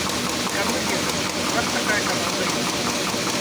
І каб мы ведалі, што ў нас такая каманда ёсць.